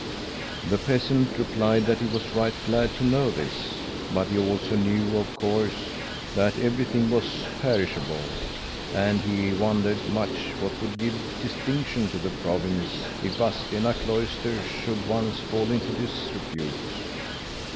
"The peasant replied that he was right glad to know this. But he also knew, of course, that everything was perishable; and he wondered much what would give distinction to the province, if Vadstena Cloister should once fall into disrepute.